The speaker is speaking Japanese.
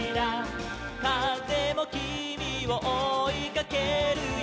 「かぜもきみをおいかけるよ」